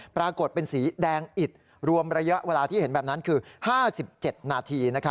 ปรากฏเป็นสีแดงอิดรวมระยะเวลาที่เห็นแบบนั้นคือ๕๗นาที